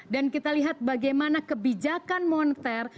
dan kita lihat bagaimana kebijakan moneter